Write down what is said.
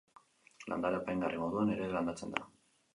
Landare apaingarri moduan ere landatzen da.